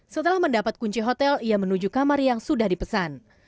setelah mendapat kunci hotel ia menuju kamar yang sudah dipesan